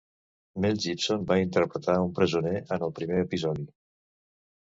Mel Gibson va interpretar un presoner en el primer episodi.